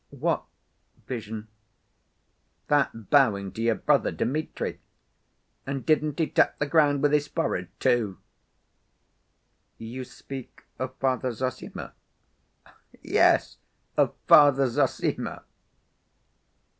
"What vision?" "That bowing to your brother, Dmitri. And didn't he tap the ground with his forehead, too!" "You speak of Father Zossima?" "Yes, of Father Zossima."